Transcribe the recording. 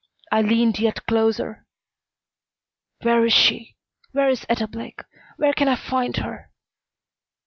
I leaned yet closer. "Where is she? Where is Etta Blake? Where can I find her?"